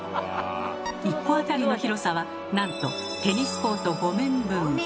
１戸当たりの広さはなんとテニスコート５面分。